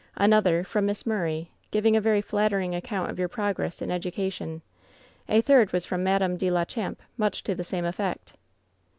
Another from Miss Murray, giving a very flattering ac count of your progress in education. A third was from Madame de la Champe, much to the same efiFect.'